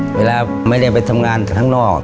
เวลาไม่ได้ไปทำงานข้างนอก